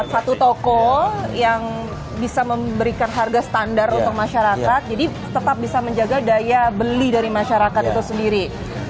satu toko yang bisa memberikan harga standar untuk masyarakat jadi tetap bisa menjaga daya beli dari masyarakat itu sendiri